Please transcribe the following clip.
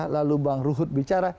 lalu bang ruhut bicara